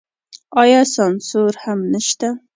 آیا سانسور هم نشته؟